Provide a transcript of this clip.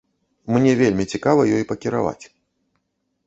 Мне вельмі цікава ёй пакіраваць.